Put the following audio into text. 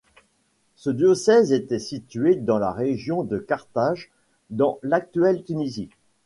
Ce diocèse était situé dans la région de Carthage, dans l'actuelle Tunisie.